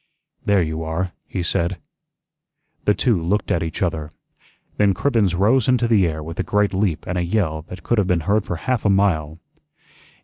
"There you are," he said. The two looked at each other. Then Cribbens rose into the air with a great leap and a yell that could have been heard for half a mile.